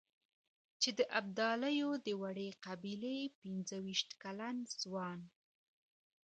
چې د ابدالیو د وړې قبيلې پنځه وېشت کلن ځوان.